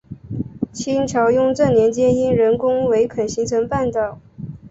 清朝雍正年间因人工围垦形成半岛。